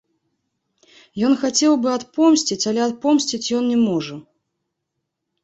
Ён хацеў бы адпомсціць, але адпомсціць ён не можа.